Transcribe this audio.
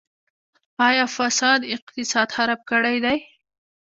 آیا فساد اقتصاد خراب کړی دی؟